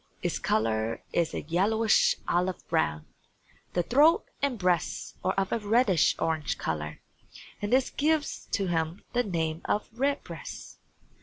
Its color is a yellowish olive brown. The throat and breast are of a reddish orange color, and this gives to him the name of Redbreast.